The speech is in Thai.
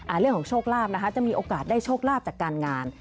เรื่องของโชคลาภนะคะจะมีโอกาสได้โชคลาภจากการงาน